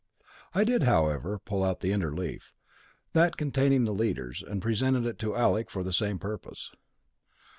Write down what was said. I did, however, pull out the inner leaf, that containing the leaders, and presented it to Alec for the same purpose.